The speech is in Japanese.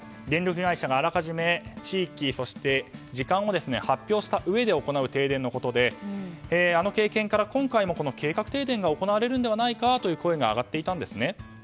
電力会社があらかじめ地域や時間を発表したうえで行う停電のことであの経験から今回も計画停電が行われるのではないかという声が上がっていたんですね。